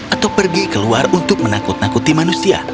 atau pergi keluar untuk menakut nakuti manusia